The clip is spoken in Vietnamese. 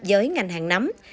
với ngành hàng nắm